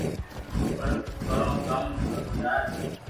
پر ڪرو ڪاو ٿارو يار